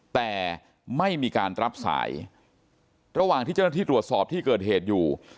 แต่ไม่มีการรับสายระหว่างที่เจ้าหน้าที่ตรวจสอบที่เกิดเหตุอยู่